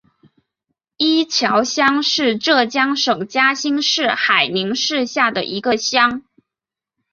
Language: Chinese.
伊桥乡是浙江省嘉兴市海宁市下的一个乡。